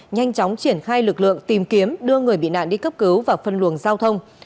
nhanh chóng triển khai lực lượng tìm kiếm đưa người bị nạn đi cấp cứu và phân luồng giao thông